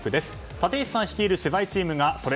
立石さん率いる取材チームがソレ